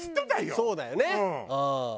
そうだよね。